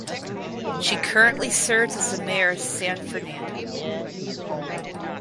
She currently serves as the mayor of San Fernando.